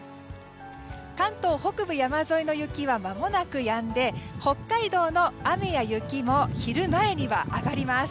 関東北部山沿いの雪はまもなくやんで北海道の雨や雪も昼前には上がります。